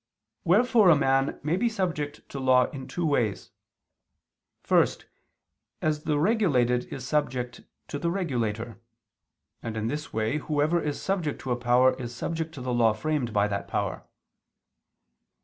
Wherefore a man may be subject to law in two ways. First, as the regulated is subject to the regulator: and, in this way, whoever is subject to a power, is subject to the law framed by that power.